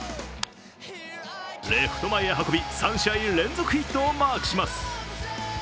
レフト前へ運び、３試合連続ヒットをマークします。